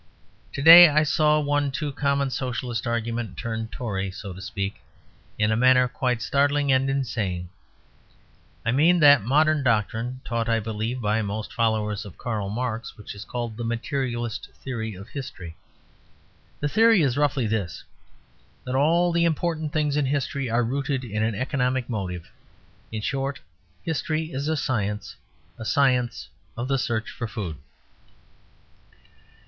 To day I saw one too common Socialist argument turned Tory, so to speak, in a manner quite startling and insane. I mean that modern doctrine, taught, I believe, by most followers of Karl Marx, which is called the materialist theory of history. The theory is, roughly, this: that all the important things in history are rooted in an economic motive. In short, history is a science; a science of the search for food.